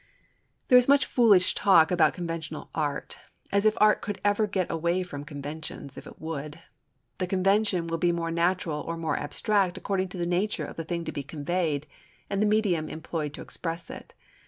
There is much foolish talk about conventional art, as if art could ever get away from conventions, if it would. The convention will be more natural or more abstract according to the nature of the thing to be conveyed and the medium employed to express it.